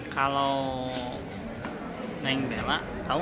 kalau neng bela tau gak ada obat